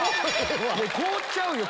凍っちゃうよ！